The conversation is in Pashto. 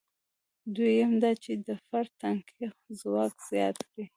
دویم دا چې د فرد د ټاکنې ځواک زیات کړي.